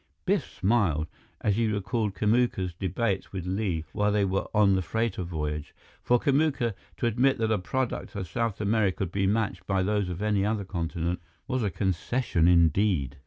Biff smiled, as he recalled Kamuka's debates with Li while they were on the freighter voyage. For Kamuka to admit that a product of South America could be matched by those of any other continent, was a concession indeed.